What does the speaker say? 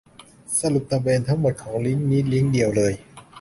สรุปประเด็นทั้งหมดลิงก์นี้ลิงก์เดียวเลย